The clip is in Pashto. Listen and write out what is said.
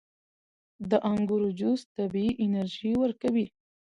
• د انګورو جوس طبیعي انرژي ورکوي.